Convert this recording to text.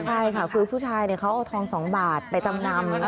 ใช่ค่ะคือผู้ชายเขาเอาทอง๒บาทไปจำนำ